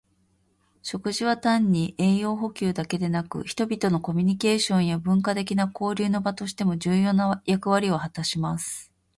食事は単に栄養補給だけでなく、人々のコミュニケーションや文化的な交流の場としても重要な役割を果たします。